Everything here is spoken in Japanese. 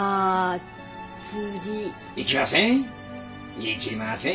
行きません。